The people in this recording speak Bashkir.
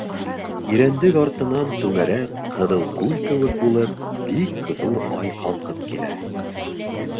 Ирәндек артынан түңәрәк, ҡыҙыл күл кеүек булып, бик ҙур ай ҡалҡып килә.